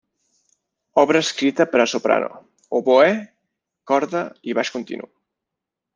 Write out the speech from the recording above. Obra escrita per a soprano, oboè, corda i baix continu.